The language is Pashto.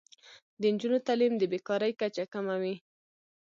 د نجونو تعلیم د بې کارۍ کچه کموي.